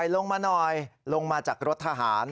ลงมาหน่อยลงมาจากรถทหาร